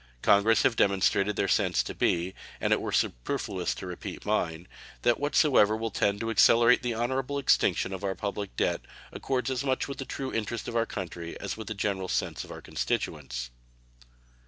Congress have demonstrated their sense to be, and it were superfluous to repeat mine, that whatsoever will tend to accelerate the honorable extinction of our public debt accords as much with the true interest of our country as with the general sense of our constituents.